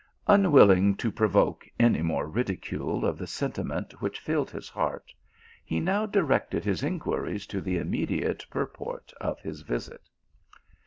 Unwilling to provoke any more ridicule of the sentiment which filled his heart, he now directed his inquiries to the immediate purport of his visit.